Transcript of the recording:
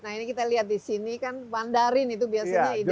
nah ini kita lihat di sini kan mandarin itu biasanya ideal